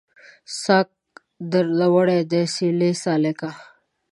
ساګ درنه وړی دی سیلۍ سالکه